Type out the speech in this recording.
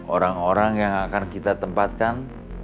orang orang yang akan kita tempatkan